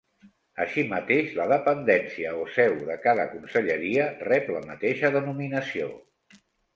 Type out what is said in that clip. Així mateix, la dependència o seu de cada conselleria rep la mateixa denominació.